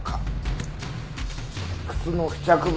靴の付着物